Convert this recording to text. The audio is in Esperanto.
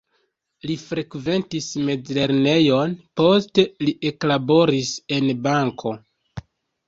Li frekventis mezlernejon, poste li eklaboris en banko.